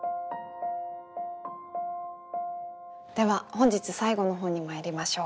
では本日最後の本にまいりましょう。